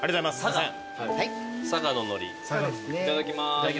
いただきます。